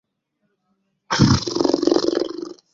প্রথমত এইটি বিশ্বাস কর যে, জগতে প্রত্যেক জিনিষেরই একটি অর্থ আছে।